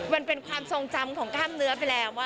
มันเป็นความทรงจำของกล้ามเนื้อไปแล้ว